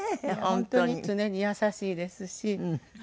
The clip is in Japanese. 本当に常に優しいですしはい。